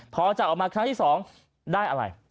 พอจับออกมาครั้งที่๒ได้อะไร